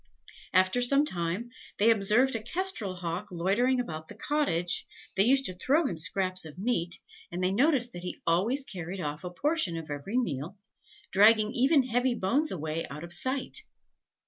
After some time, they observed a kestrel hawk loitering about the cottage: they used to throw him scraps of meat, and they noticed that he always carried off a portion of every meal, dragging even heavy bones away out of sight.